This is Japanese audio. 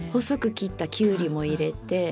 切ったきゅうりも入れて。